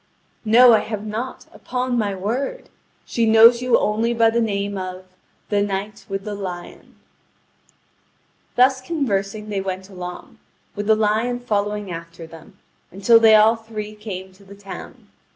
"No, I have not, upon my word. She knows you only by the name of 'The Knight with the Lion.'" (Vv. 6717 6758.) Thus conversing they went along, with the lion following after them, until they all three came to the town.